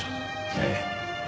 ええ。